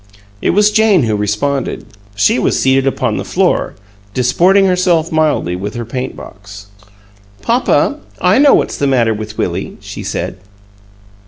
It was Jane who responded. She was seated upon the floor, disporting herself mildly with her paint box. "Papa, I know what's the matter with Willie," she said.